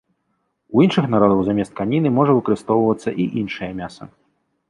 У іншых народаў замест каніны можа выкарыстоўвацца і іншае мяса.